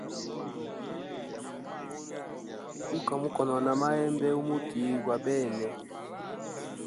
Guka mukonona mahembe u muti gwa bene.